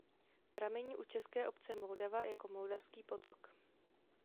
Pramení u české obce Moldava jako Moldavský potok.